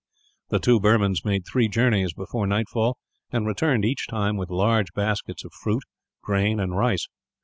The two Burmans made three journeys before nightfall and returned, each time, with large baskets of fruit, grain, and rice.